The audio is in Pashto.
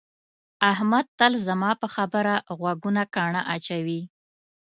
احمد تل زما پر خبره غوږونه ګاڼه اچوي.